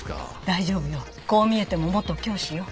大丈夫よこう見えても元教師よ。